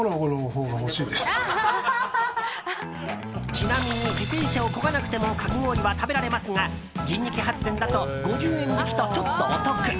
ちなみに自転車をこがなくてもかき氷は食べられますが人力発電だと５０円引きとちょっとお得。